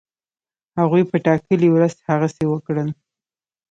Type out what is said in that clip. هغوی په ټاکلې ورځ هغسی وکړل.